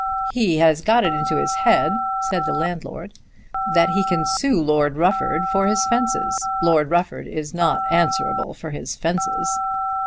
"He has got it into his head," said the landlord, "that he can sue Lord Rufford for his fences. Lord Rufford is not answerable for his fences."